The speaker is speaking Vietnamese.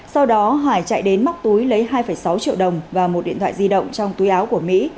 sau đó hải chạy đến móc túi lấy hai sáu triệu đồng và một điện thoại di động trong túi áo của mỹ